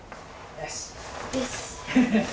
よし！